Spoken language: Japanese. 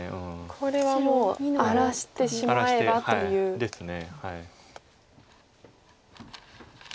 これはもう荒らしてしまえばという。ですね。